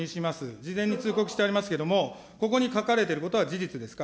事前に通告してありますけれども、ここに書かれてることは事実ですか。